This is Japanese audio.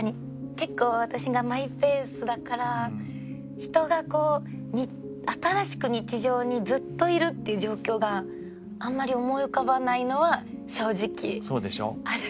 結構私がマイペースだから人が新しく日常にずっといるっていう状況があんまり思い浮かばないのは正直ある。